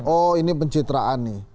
oh ini pencitraan